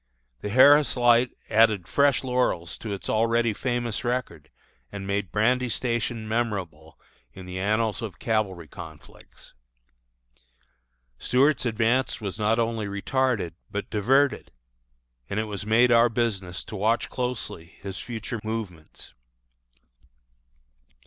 The Harris Light added fresh laurels to its already famous record, and made Brandy Station memorable in the annals of cavalry conflicts. Stuart's advance was not only retarded, but diverted; and it was made our business to watch closely his future movements.